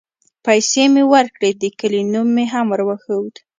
پيسې مې وركړې د كلي نوم مې هم وروښود.